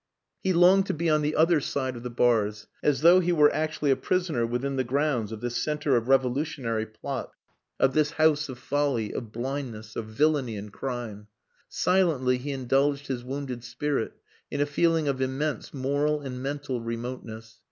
He longed to be on the other side of the bars, as though he were actually a prisoner within the grounds of this centre of revolutionary plots, of this house of folly, of blindness, of villainy and crime. Silently he indulged his wounded spirit in a feeling of immense moral and mental remoteness.